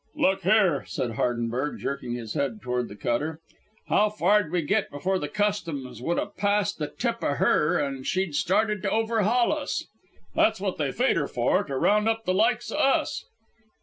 "Look there," said Hardenberg, jerking his head toward the cutter, "how far'd we get before the customs would 'a' passed the tip to her and she'd started to overhaul us? That's what they feed her for to round up the likes o' us."